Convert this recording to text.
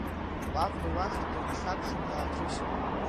Павле уахь дынхьаԥшын, дааҭрысит.